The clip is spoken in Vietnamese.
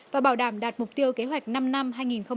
và bảo đảm đạt mục tiêu kế hoạch năm năm hai nghìn một mươi sáu